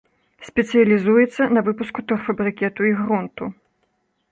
Спецыялізуецца на выпуску торфабрыкету і грунту.